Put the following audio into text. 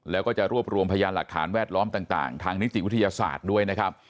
แล้วก็จะรวบรวมพยานหลักฐานแวดล้อมต่างทางนิติวิทยาศาสตร์ด้วยนะครับ